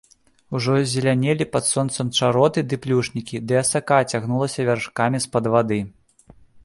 Ужо зелянелі пад сонцам чароты ды плюшнікі, ды асака цягнулася вяршкамі з-пад вады.